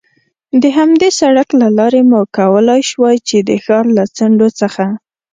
د همدې سړک له لارې مو کولای شوای، چې د ښار له څنډو څخه.